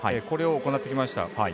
これを行ってきました。